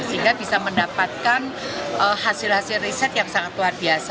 sehingga bisa mendapatkan hasil hasil riset yang sangat luar biasa